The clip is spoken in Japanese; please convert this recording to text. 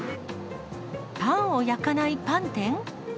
パンを焼かないパン店？